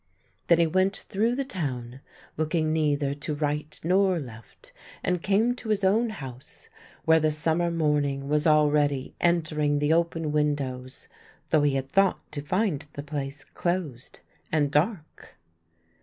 Then he went through the town, looking neither to right nor left, and came to his own house, where the summer morning was already entering the open win dows, though he had thought to find the place closed and dark.